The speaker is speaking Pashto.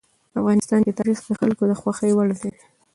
افغانستان کې تاریخ د خلکو د خوښې وړ ځای دی.